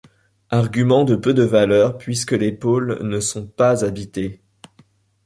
Argument de peu de valeur, puisque les pôles ne sont pas habités.